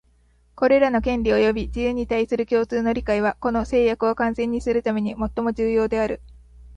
これらの権利及び自由に対する共通の理解は、この誓約を完全にするためにもっとも重要である